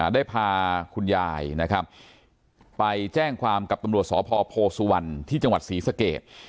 ได้พาคุณยายนะครับไปแจ้งความกับตำรวจสพโพสุวรรณที่จังหวัดศรีสเกต